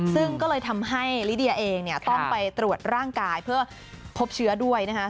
ซึ่งก็เลยทำให้ลิเดียเองต้องไปตรวจร่างกายเพื่อพบเชื้อด้วย